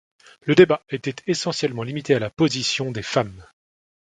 Le débat était essentiellement limité à la position des femmes.